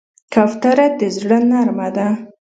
کوتره د زړه نرمه ده.